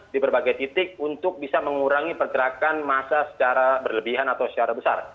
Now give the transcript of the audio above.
di berbagai titik untuk bisa mengurangi pergerakan masa secara berlebihan atau secara besar